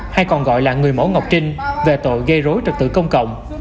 hay còn gọi là người mẫu ngọc trinh về tội gây rối trật tự công cộng